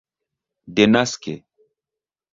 denaske